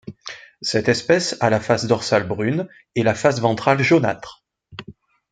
Cette espèce a la face dorsale brune et la face ventrale jaunâtre.